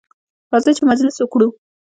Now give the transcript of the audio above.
راځئ چې مجلس وکړو.